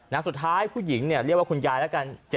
สุดท้ายผู้หญิงเนี่ยเรียกว่าคุณยายแล้วกัน